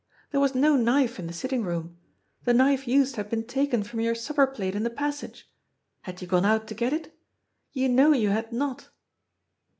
There was no knife in the sitting room. The knife used had been taken from your supper plate in the passage. Had you gone out to get it? You know you had not."